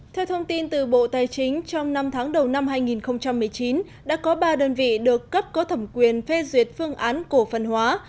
theo thông tin từ bộ tài chính trong năm tháng đầu năm hai nghìn một mươi chín đã có ba đơn vị được cấp có thẩm quyền phê duyệt phương án cổ phần hóa